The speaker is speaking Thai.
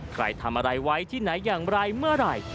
ใครทำอะไรไว้ที่ไหนอย่างไรเมื่อไหร่